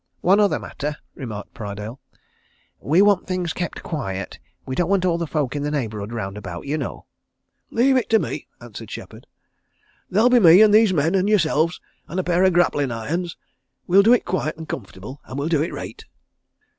"One other matter," remarked Prydale. "We want things kept quiet. We don't want all the folk of the neighbourhood round about, you know." "Leave it to me," answered Shepherd. "There'll be me, and these men, and yourselves and a pair of grapplin' irons. We'll do it quiet and comfortable and we'll do it reight."